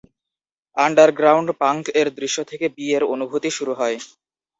Underground পাঙ্ক-এর দৃশ্য থেকে বি-এর অনুভূতি শুরু হয়।